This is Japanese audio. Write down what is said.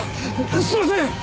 すいません！